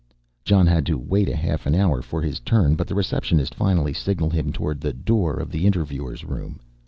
Jon had to wait a half hour for his turn, but the receptionist finally signalled him towards the door of the interviewer's room.